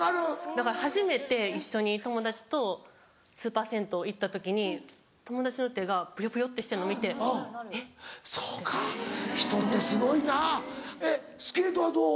だから初めて一緒に友達とスーパー銭湯行った時に友達の手がプヨプヨってしてるの見て「えっ？」。そうか人ってすごいなえっスケートはどう？